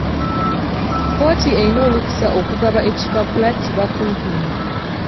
Kkooti eyina olukusa okugaba ekipapula ki bakuntumye.